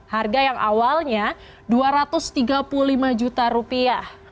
harga yang awalnya dua ratus tiga puluh lima juta rupiah